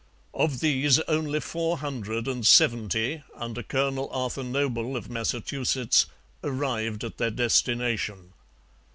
Of these only four hundred and seventy, under Colonel Arthur Noble of Massachusetts, arrived at their destination.